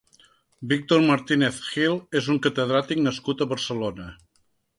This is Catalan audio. Víctor Martínez-Gil és un catedràtic nascut a Barcelona.